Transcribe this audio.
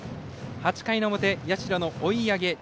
８回の表、社の追い上げ。